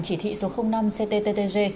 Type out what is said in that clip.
chỉ thị số năm ctttg